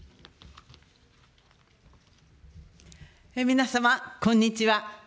皆様、こんにちは。